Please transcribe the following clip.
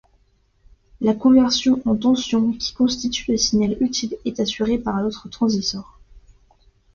La conversion en tension, qui constitue le signal utile, est assurée par l'autre transistor.